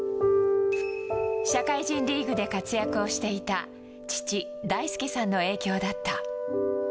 社会人リーグで活躍をしていた父、大輔さんの影響だった。